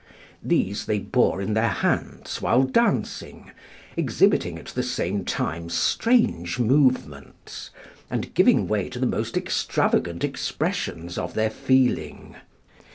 These they bore in their hands while dancing, exhibiting at the same time strange movements, and giving way to the most extravagant expressions of their feeling.